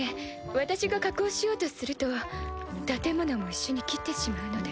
私が加工しようとすると建物も一緒に切ってしまうので。